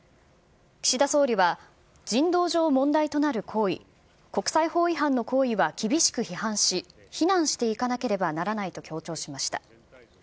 岸田総理は、人道上問題となる行為、国際法違反の行為は厳しく批判し、非難していかなければならないと強調しました。